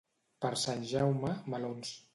Per Sant Jaume, melons.